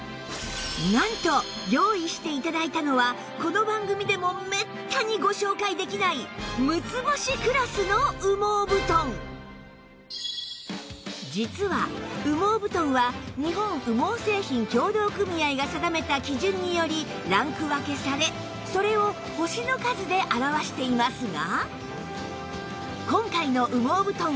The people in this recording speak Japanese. なんと用意して頂いたのはこの番組でも実は羽毛布団は日本羽毛製品協同組合が定めた基準によりランク分けされそれを星の数で表していますが